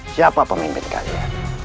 siapa pemimpin kalian